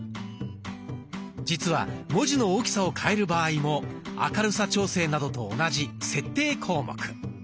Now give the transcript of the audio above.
実は文字の大きさを変える場合も明るさ調整などと同じ設定項目。